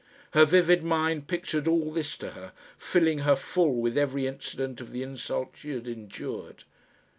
Her vivid mind pictured all this to her, filling her full with every incident of the insult she had endured.